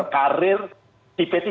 karir di p tiga